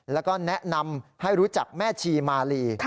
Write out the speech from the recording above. แล้วก็แนะนำให้รู้จักแม่ชีมาลี